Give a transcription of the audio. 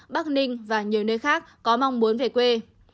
bắc ninh và nhiều nơi khác có mong muốn về quê